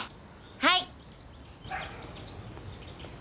はい！